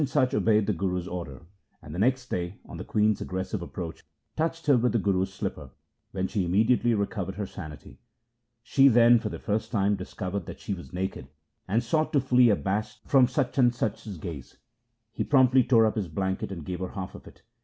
LIFE OF GURU AMAR DAS 63 Sachansach obeyed the Guru's order, and next day, on the queen's aggressive approach, touched her with the Guru's slipper, when she immediately recovered her sanity. She then for the first time discovered that she was naked, and sought to flee abashed from Sachansach's gaze. He promptly tore up his blanket and gave her half of it.